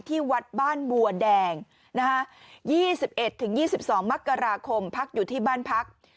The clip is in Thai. ที่วัดบ้านบัวแดง๒๑๒๒มกราคมพักอยู่ที่บ้านพัก